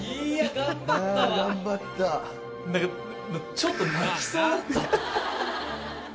ちょっと泣きそうだった。